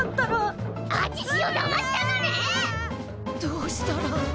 どうしたら。